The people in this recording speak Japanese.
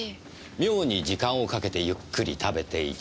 妙に時間をかけてゆっくり食べていた。